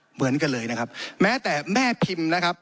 เหมือนกันเลยนะครับแม้แต่แม่พิมพ์นะครับ